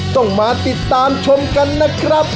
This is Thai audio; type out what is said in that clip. ต้องมาติดตามชมกันนะครับ